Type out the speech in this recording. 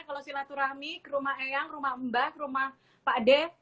kalau silaturahmi ke rumah eyang ke rumah mbah ke rumah pak ade